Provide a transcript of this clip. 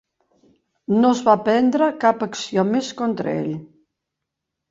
No es va prendre cap acció més contra ell.